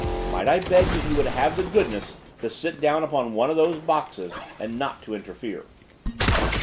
Might I beg that you would have the goodness to sit down upon one of those boxes, and not to interfere?"